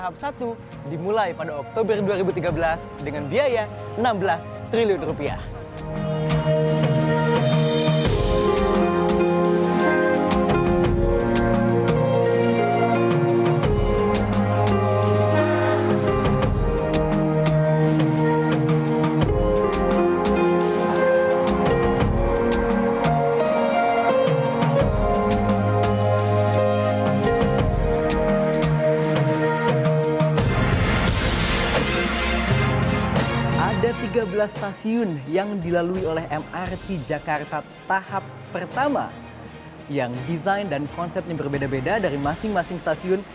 pembangunan mass rapid transit jakarta tahap satu dimulai pada oktober dua ribu tiga belas dengan biaya enam belas triliun rupiah